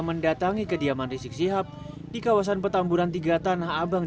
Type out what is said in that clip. mendatangi kediaman rizik sihab di kawasan petamburan tiga tanah abang